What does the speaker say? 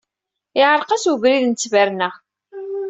Iɛreq-as ubrid n ttberna.